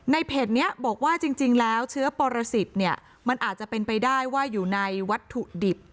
เพจนี้บอกว่าจริงแล้วเชื้อปรสิทธิ์เนี่ยมันอาจจะเป็นไปได้ว่าอยู่ในวัตถุดิบ